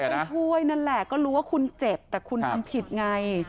ไปช่วยนั่นแหละก็รู้ว่าคุณเจ็บแต่คุณทำผิดไง